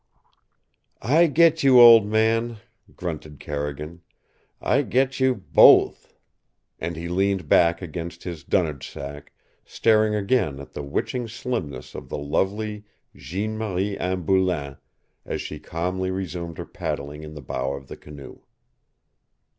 "I get you, old man," grunted Carrigan. "I get you both!" And he leaned back against his dunnage sack, staring again at the witching slimness of the lovely Jeanne Marie Anne Boulain as she calmly resumed her paddling in the bow of the canoe.